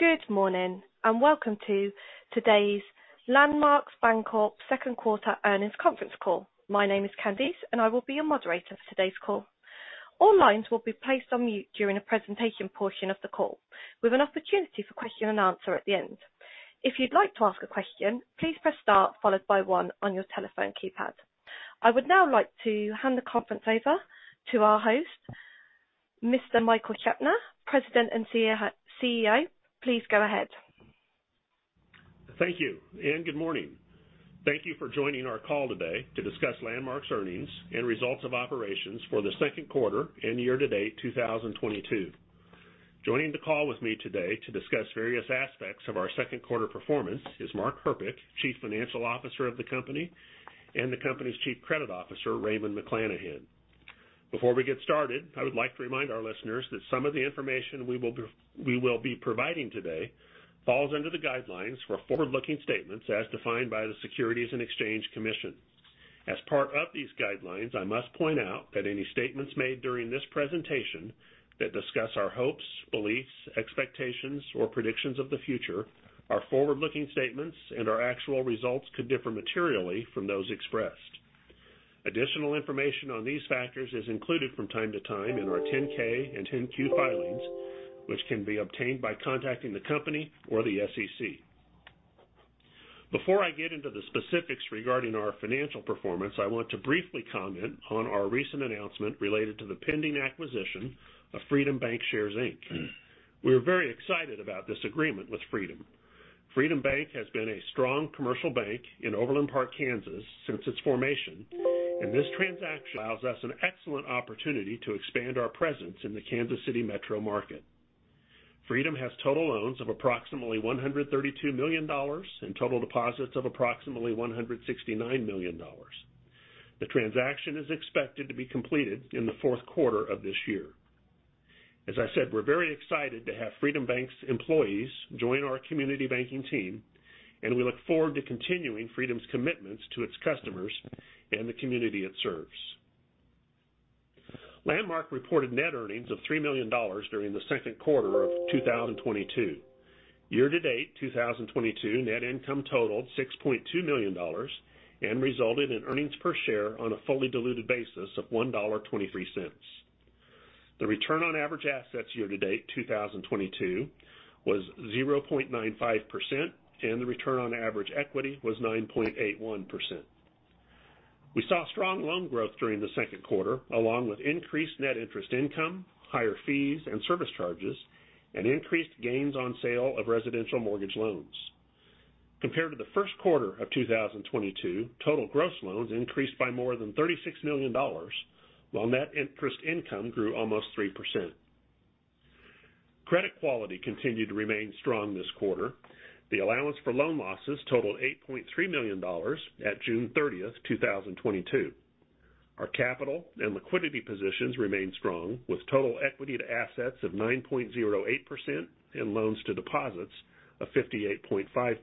Good morning, and welcome to today's Landmark Bancorp Q2 Earnings Conference call. My name is Candice, and I will be your moderator for today's call. All lines will be placed on mute during the presentation portion of the call, with an opportunity for question and answer at the end. If you'd like to ask a question, please press star followed by one on your telephone keypad. I would now like to hand the conference over to our host, Mr. Michael Scheopner, President and CEO. Please go ahead. Thank you, and good morning. Thank you for joining our call today to discuss Landmark's earnings and results of operations for the Q2 and year-to-date 2022. Joining the call with me today to discuss various aspects of our Q2 performance is Mark Herpich, Chief Financial Officer of the company, and the company's Chief Credit Officer, Raymond McLanahan. Before we get started, I would like to remind our listeners that some of the information we will be providing today falls under the guidelines for forward-looking statements as defined by the Securities and Exchange Commission. As part of these guidelines, I must point out that any statements made during this presentation that discuss our hopes, beliefs, expectations, or predictions of the future are forward-looking statements, and our actual results could differ materially from those expressed. Additional information on these factors is included from time to time in our 10-K and 10-Q filings, which can be obtained by contacting the company or the SEC. Before I get into the specifics regarding our financial performance, I want to briefly comment on our recent announcement related to the pending acquisition of Freedom Bancshares, Inc. We're very excited about this agreement with Freedom. Freedom Bank has been a strong commercial bank in Overland Park, Kansas since its formation, and this transaction allows us an excellent opportunity to expand our presence in the Kansas City metro market. Freedom has total loans of approximately $132 million and total deposits of approximately $169 million. The transaction is expected to be completed in the Q4 of this year. As I said, we're very excited to have Freedom Bank's employees join our community banking team, and we look forward to continuing Freedom's commitments to its customers and the community it serves. Landmark reported net earnings of $3 million during the Q2 of 2022. Year-to-date 2022 net income totaled $6.2 million and resulted in earnings per share on a fully diluted basis of $1.23. The return on average assets year-to-date 2022 was 0.95%, and the return on average equity was 9.81%. We saw strong loan growth during the Q2, along with increased net interest income, higher fees and service charges, and increased gains on sale of residential mortgage loans. Compared to the Q1 of 2022, total gross loans increased by more than $36 million, while net interest income grew almost 3%. Credit quality continued to remain strong this quarter. The allowance for loan losses totaled $8.3 million at June 30, 2022. Our capital and liquidity positions remain strong, with total equity to assets of 9.08% and loans to deposits of 58.5%.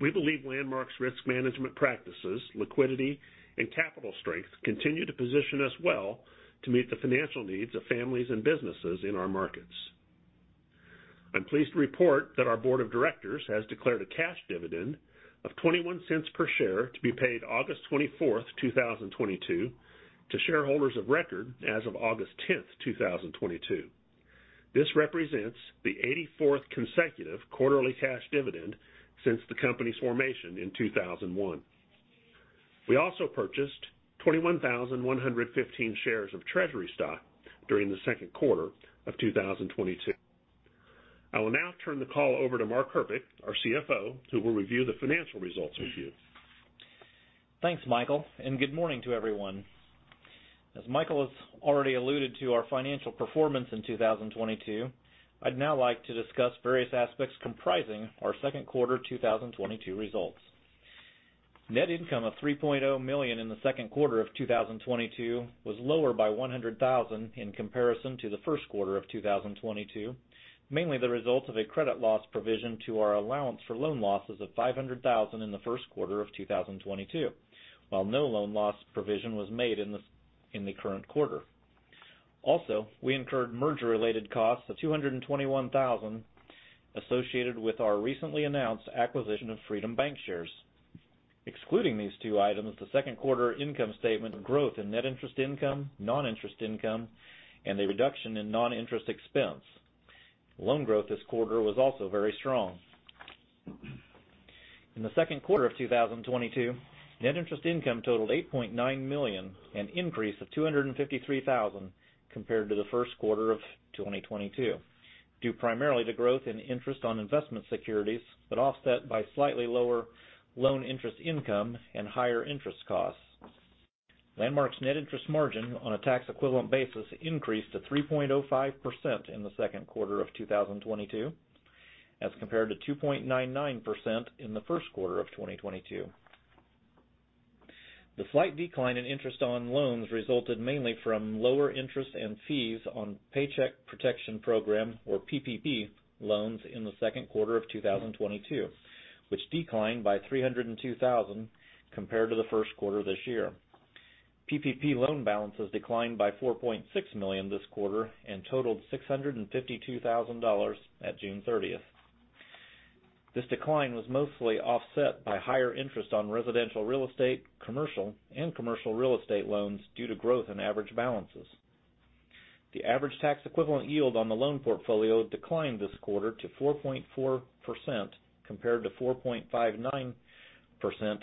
We believe Landmark's risk management practices, liquidity, and capital strength continue to position us well to meet the financial needs of families and businesses in our markets. I'm pleased to report that our board of directors has declared a cash dividend of $0.21 per share to be paid August 24, 2022 to shareholders of record as of August 10, 2022. This represents the 84th consecutive quarterly cash dividend since the company's formation in 2001. We also purchased 21,115 shares of treasury stock during the Q2 of 2022. I will now turn the call over to Mark Herpich, our CFO, who will review the financial results with you. Thanks, Michael, and good morning to everyone. As Michael has already alluded to our financial performance in 2022, I'd now like to discuss various aspects comprising our Q2 2022 results. Net income of $3.0 million in the Q2 of 2022 was lower by $100 thousand in comparison to the Q1 of 2022, mainly the result of a credit loss provision to our allowance for loan losses of $500 thousand in the Q1 of 2022, while no loan loss provision was made in the current quarter. Also, we incurred merger-related costs of $221 thousand associated with our recently announced acquisition of Freedom Bancshares. Excluding these two items, the Q2 income statement growth in net interest income, non-interest income, and a reduction in non-interest expense. Loan growth this quarter was also very strong. In the Q2 of 2022, net interest income totaled $8.9 million, an increase of $253,000 compared to the Q1 of 2022, due primarily to growth in interest on investment securities, but offset by slightly lower loan interest income and higher interest costs. Landmark's net interest margin on a tax equivalent basis increased to 3.05% in the Q2 of 2022, as compared to 2.99% in the Q1 of 2022. The slight decline in interest on loans resulted mainly from lower interest and fees on Paycheck Protection Program, or PPP, loans in the Q2 of 2022, which declined by $302,000 compared to the Q1 this year. PPP loan balances declined by $4.6 million this quarter and totaled $652,000 at June 30. This decline was mostly offset by higher interest on residential real estate, commercial and commercial real estate loans due to growth in average balances. The average tax equivalent yield on the loan portfolio declined this quarter to 4.4%, compared to 4.59%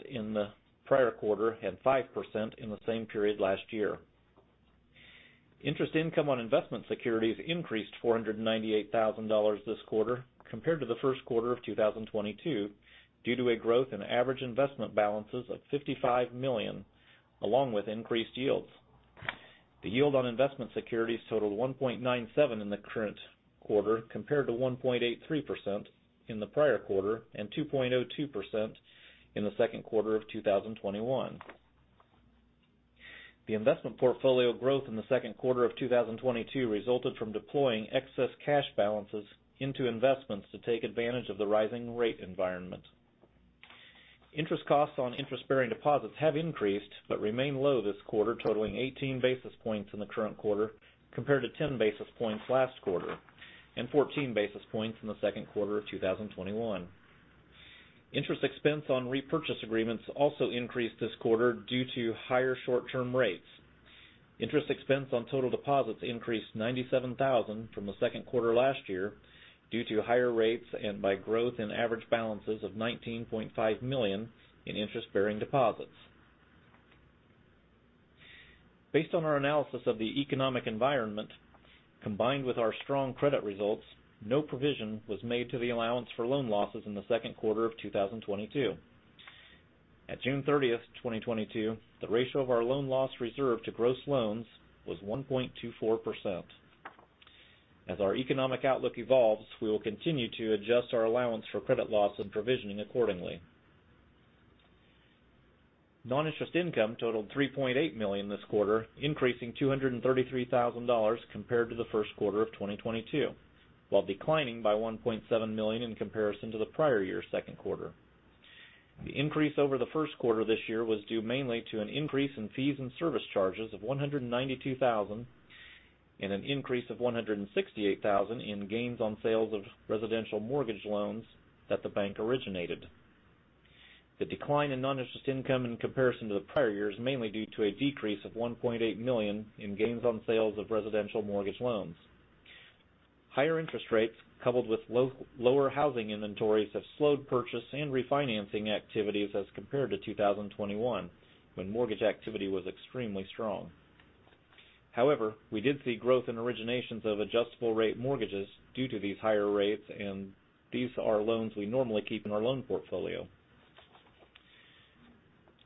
in the prior quarter, and 5% in the same period last year. Interest income on investment securities increased $498 thousand this quarter compared to the Q1 of 2022, due to a growth in average investment balances of $55 million, along with increased yields. The yield on investment securities totaled 1.97% in the current quarter, compared to 1.83% in the prior quarter and 2.02% in the Q2 of 2021. The investment portfolio growth in the Q2 of 2022 resulted from deploying excess cash balances into investments to take advantage of the rising rate environment. Interest costs on interest-bearing deposits have increased but remain low this quarter, totaling 18 basis points in the current quarter compared to 10 basis points last quarter, and 14 basis points in the Q2 of 2021. Interest expense on repurchase agreements also increased this quarter due to higher short-term rates. Interest expense on total deposits increased $97,000 from the Q2 last year due to higher rates and by growth in average balances of $19.5 million in interest-bearing deposits. Based on our analysis of the economic environment, combined with our strong credit results, no provision was made to the allowance for loan losses in the Q2 of 2022. At June 30, 2022, the ratio of our loan loss reserve to gross loans was 1.24%. As our economic outlook evolves, we will continue to adjust our allowance for credit loss and provisioning accordingly. Non-interest income totaled $3.8 million this quarter, increasing $233,000 compared to the Q1 of 2022, while declining by $1.7 million in comparison to the prior year Q2. The increase over the Q1 this year was due mainly to an increase in fees and service charges of $192,000 and an increase of $168,000 in gains on sales of residential mortgage loans that the bank originated. The decline in non-interest income in comparison to the prior year is mainly due to a decrease of $1.8 million in gains on sales of residential mortgage loans. Higher interest rates, coupled with lower housing inventories, have slowed purchase and refinancing activities as compared to 2021, when mortgage activity was extremely strong. However, we did see growth in originations of adjustable-rate mortgages due to these higher rates, and these are loans we normally keep in our loan portfolio.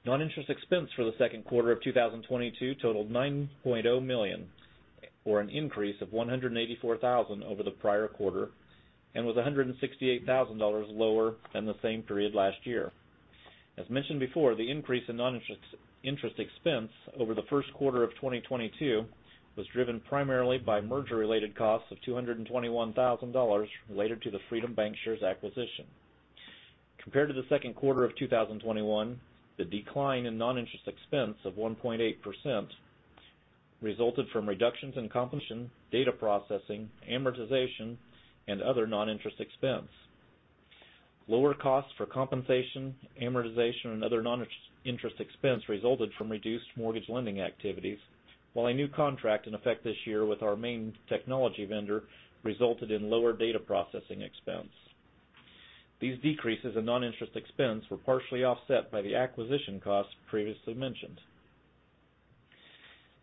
Non-interest expense for the Q2 of 2022 totaled $9.0 million, or an increase of $184 thousand over the prior quarter, and was $168 thousand lower than the same period last year. As mentioned before, the increase in non-interest expense over the Q1 of 2022 was driven primarily by merger-related costs of $221 thousand related to the Freedom Bancshares acquisition. Compared to the Q2 of 2021, the decline in non-interest expense of 1.8% resulted from reductions in compensation, data processing, amortization, and other non-interest expense. Lower costs for compensation, amortization, and other non-interest expense resulted from reduced mortgage lending activities, while a new contract in effect this year with our main technology vendor resulted in lower data processing expense. These decreases in non-interest expense were partially offset by the acquisition costs previously mentioned.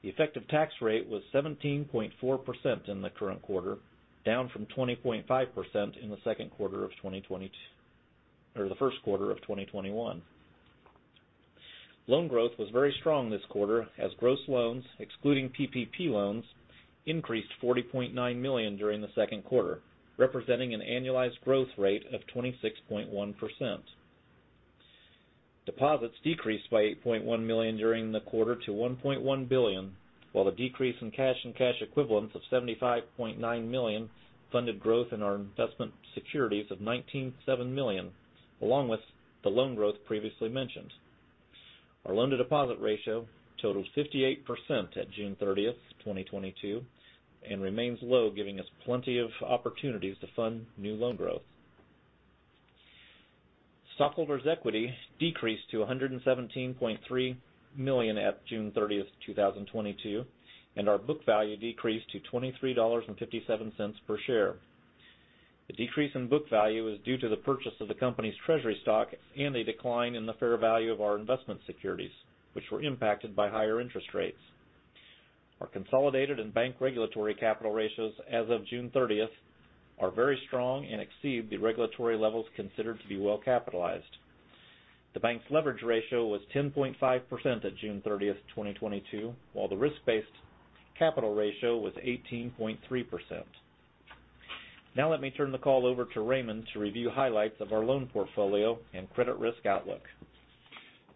The effective tax rate was 17.4% in the current quarter, down from 20.5% in the Q2 or the Q1 of 2021. Loan growth was very strong this quarter as gross loans, excluding PPP loans, increased $40.9 million during the Q2, representing an annualized growth rate of 26.1%. Deposits decreased by $8.1 million during the quarter to $1.1 billion, while the decrease in cash and cash equivalents of $75.9 million funded growth in our investment securities of $197 million, along with the loan growth previously mentioned. Our loan to deposit ratio totaled 58% at June 30, 2022, and remains low, giving us plenty of opportunities to fund new loan growth. Stockholders' equity decreased to $117.3 million at June 30, 2022, and our book value decreased to $23.57 per share. The decrease in book value is due to the purchase of the company's treasury stock and a decline in the fair value of our investment securities, which were impacted by higher interest rates. Our consolidated and bank regulatory capital ratios as of June thirtieth are very strong and exceed the regulatory levels considered to be well-capitalized. The bank's leverage ratio was 10.5% at June thirtieth, 2022, while the risk-based capital ratio was 18.3%. Now let me turn the call over to Raymond to review highlights of our loan portfolio and credit risk outlook.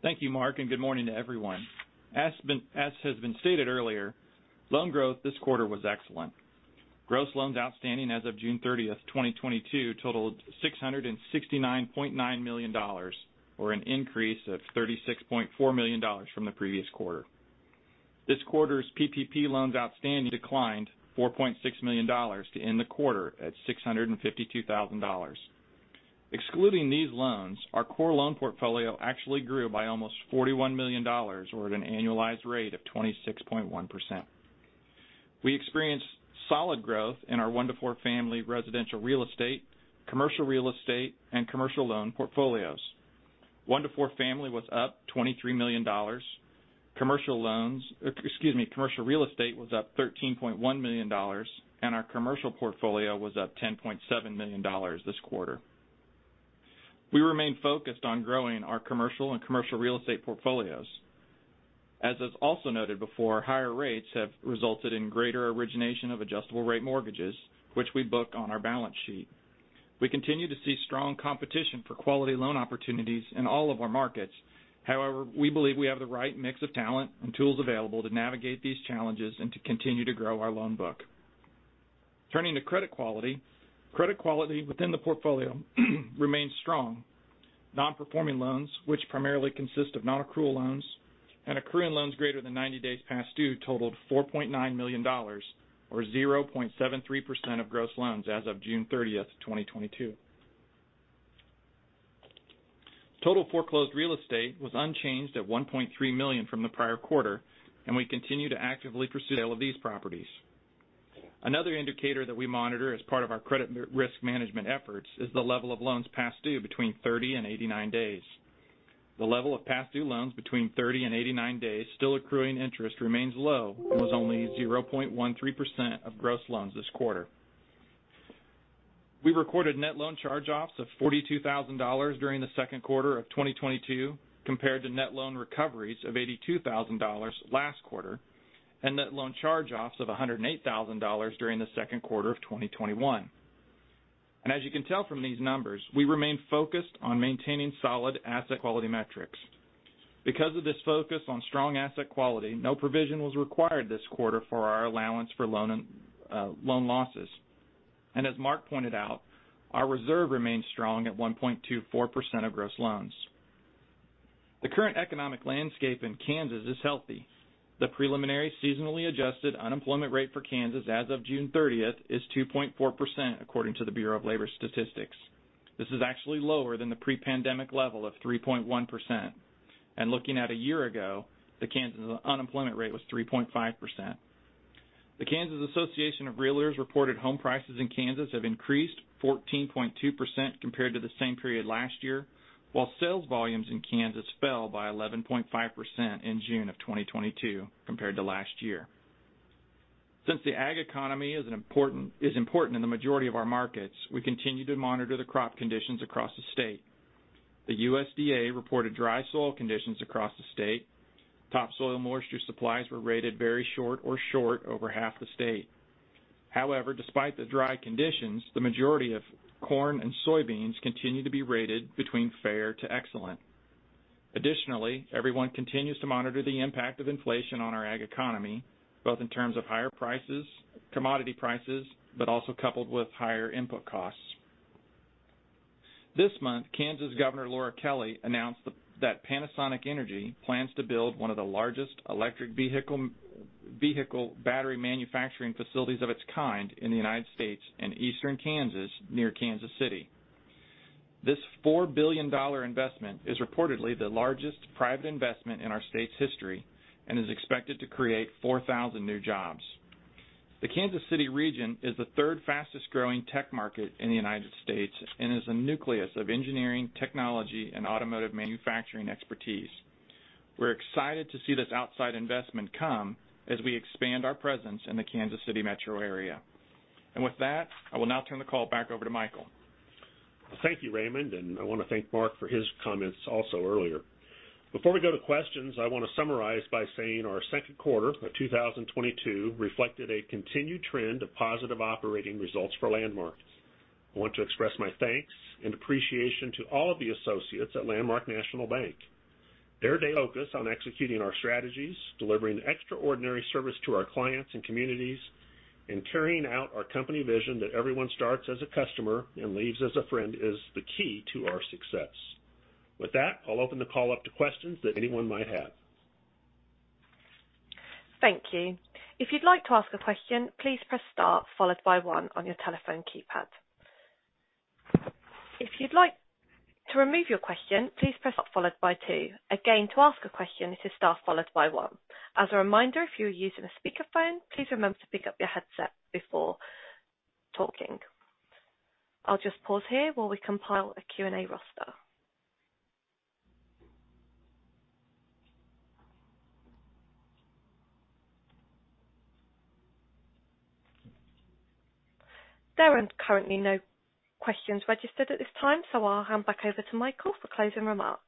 Thank you, Mark, and good morning to everyone. As has been stated earlier, loan growth this quarter was excellent. Gross loans outstanding as of June 30, 2022 totaled $669.9 million, or an increase of $36.4 million from the previous quarter. This quarter's PPP loans outstanding declined $4.6 million to end the quarter at $652,000. Excluding these loans, our core loan portfolio actually grew by almost $41 million, or at an annualized rate of 26.1%. We experienced solid growth in our one to four family residential real estate, commercial real estate, and commercial loan portfolios. One to four family was up $23 million. Commercial real estate was up $13.1 million, and our commercial portfolio was up $10.7 million this quarter. We remain focused on growing our commercial and commercial real estate portfolios. As is also noted before, higher rates have resulted in greater origination of adjustable rate mortgages, which we book on our balance sheet. We continue to see strong competition for quality loan opportunities in all of our markets. However, we believe we have the right mix of talent and tools available to navigate these challenges and to continue to grow our loan book. Turning to credit quality. Credit quality within the portfolio remains strong. Nonperforming loans, which primarily consist of nonaccrual loans and accruing loans greater than 90 days past due totaled $4.9 million or 0.73% of gross loans as of June 30, 2022. Total foreclosed real estate was unchanged at $1.3 million from the prior quarter, and we continue to actively pursue sale of these properties. Another indicator that we monitor as part of our credit risk management efforts is the level of loans past due between 30 and 89 days. The level of past due loans between 30 and 89 days still accruing interest remains low and was only 0.13% of gross loans this quarter. We recorded net loan charge-offs of $42 thousand during the Q2 of 2022, compared to net loan recoveries of $82 thousand last quarter, and net loan charge-offs of $108 thousand during the Q2 of 2021. As you can tell from these numbers, we remain focused on maintaining solid asset quality metrics. Because of this focus on strong asset quality, no provision was required this quarter for our allowance for loan and loan losses. As Mark pointed out, our reserve remains strong at 1.24% of gross loans. The current economic landscape in Kansas is healthy. The preliminary seasonally adjusted unemployment rate for Kansas as of June thirtieth is 2.4%, according to the Bureau of Labor Statistics. This is actually lower than the pre-pandemic level of 3.1%. Looking at a year ago, the Kansas unemployment rate was 3.5%. The Kansas Association of REALTORS® reported home prices in Kansas have increased 14.2% compared to the same period last year, while sales volumes in Kansas fell by 11.5% in June 2022 compared to last year. Since the ag economy is important in the majority of our markets, we continue to monitor the crop conditions across the state. The USDA reported dry soil conditions across the state. Topsoil moisture supplies were rated very short or short over half the state. However, despite the dry conditions, the majority of corn and soybeans continue to be rated between fair to excellent. Additionally, everyone continues to monitor the impact of inflation on our ag economy, both in terms of higher prices, commodity prices, but also coupled with higher input costs. This month, Kansas Governor Laura Kelly announced that Panasonic Energy plans to build one of the largest electric vehicle battery manufacturing facilities of its kind in the United States and eastern Kansas, near Kansas City. This $4 billion investment is reportedly the largest private investment in our state's history and is expected to create 4,000 new jobs. The Kansas City region is the third fastest growing tech market in the United States and is a nucleus of engineering, technology, and automotive manufacturing expertise. We're excited to see this outside investment come as we expand our presence in the Kansas City metro area. With that, I will now turn the call back over to Michael. Thank you, Raymond. I want to thank Mark for his comments also earlier. Before we go to questions, I want to summarize by saying our Q2 of 2022 reflected a continued trend of positive operating results for Landmark. I want to express my thanks and appreciation to all of the associates at Landmark National Bank. Their daily focus on executing our strategies, delivering extraordinary service to our clients and communities, and carrying out our company vision that everyone starts as a customer and leaves as a friend is the key to our success. With that, I'll open the call up to questions that anyone might have. Thank you. If you'd like to ask a question, please press Star followed by one on your telephone keypad. If you'd like to remove your question, please press Star followed by two. Again, to ask a question, it is Star followed by one. As a reminder, if you are using a speakerphone, please remember to pick up your headset before talking. I'll just pause here while we compile a Q&A roster. There are currently no questions registered at this time, so I'll hand back over to Michael for closing remarks.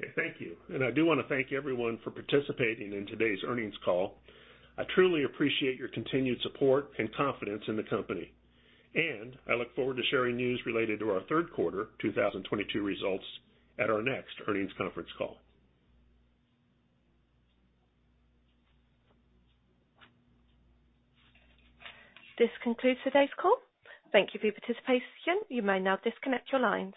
Okay, thank you. I do want to thank everyone for participating in today's earnings call. I truly appreciate your continued support and confidence in the company, and I look forward to sharing news related to our Q3 2022 results at our next earnings conference call. This concludes today's call. Thank you for your participation. You may now disconnect your lines.